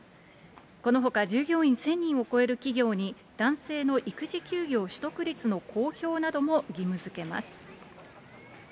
このほか従業員１０００人を超える企業に男性の育児休業取得率の公表なども義務づけます。